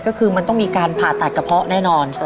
ก็คือมันต้องมีการผ่าตัดกระเพาะแน่นอน